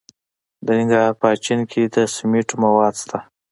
د ننګرهار په اچین کې د سمنټو مواد شته.